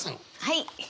はい。